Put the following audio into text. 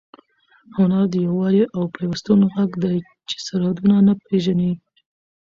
هنر د یووالي او پیوستون غږ دی چې سرحدونه نه پېژني.